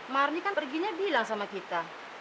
marni kan perginya bilang sama kita